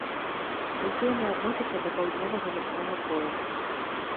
Усе яны адносяцца да паўднёвага ляснога поясу.